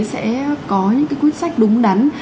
sẽ có những quyết sách đúng đắn